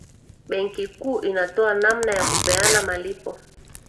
benki kuu inatoa namna ya Kupeana malipo